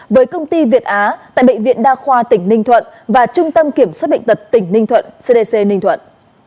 với công ty việt á tại bệnh viện đa khoa tỉnh ninh thuận và trung tâm kiểm soát bệnh tật tỉnh ninh thuận cdc ninh thuận